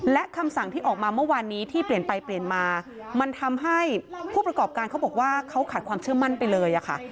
และคำสั่งที่ออกมาเมื่อวานนี้ที่เปลี่ยนไปเปลี่ยนมามันทำให้ผู้ประกอบการเขาบอกว่าเขาขาดความเชื่อมั่นไปเลยค่ะ